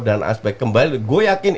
dan aspek kembali gue yakin